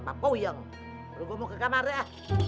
mau ke kamarnya